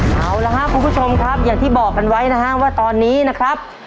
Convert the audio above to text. เอาละครับคุณผู้ชมครับอย่างที่บอกกันไว้นะฮะว่าตอนนี้นะครับ